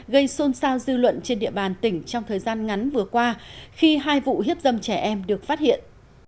gây xôn xao dư luận trên địa bàn tỉnh trong thời gian ngắn vừa qua khi hai vụ hiếp dâm trẻ em được phát hiện